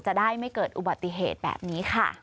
จะได้ไม่เกิดอุบัติเหตุแบบนี้ค่ะ